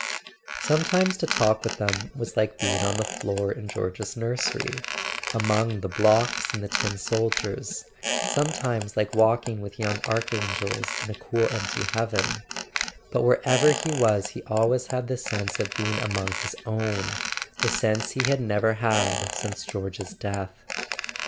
Sometimes to talk with them was like being on the floor in George's nursery, among the blocks and the tin soldiers; sometimes like walking with young archangels in a cool empty heaven; but wherever he was he always had the sense of being among his own, the sense he had never had since George's death.